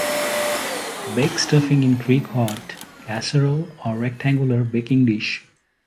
Bake stuffing in three quart casserole or rectangular baking dish